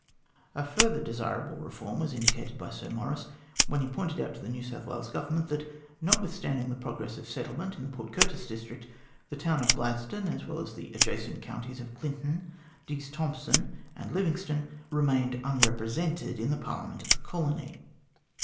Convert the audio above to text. A further desirable reform was indicated by Sir Maurice when he pointed out to the New South Wales Government that, notwithstanding the progress of settlement in the Port Curtis district, the town of Gladstone, as well as the adjacent counties of Clinton, Deas Thomson, and Livingstone, remained unrepresented in the Parliament of the colony.